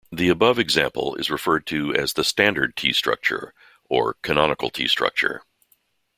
The above example is referred to as the "standard t-structure" or "canonical t-structure".